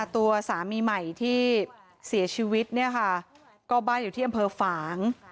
ตัวสามีใหม่ที่เสียชีวิตเนี่ยค่ะก็บ้านอยู่ที่อำเภอฝาง